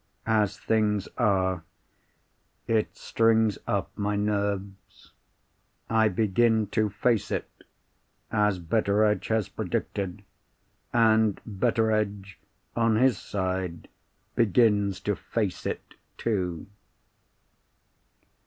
As things are, it strings up my nerves. I begin to "face it," as Betteredge has predicted. And Betteredge, on his side, begins to "face it," too.